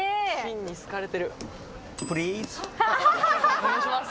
お願いします。